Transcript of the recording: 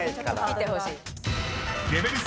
きてほしい。